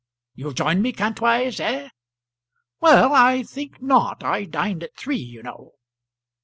You'll join me, Kantwise, eh?" "Well, I think not; I dined at three, you know."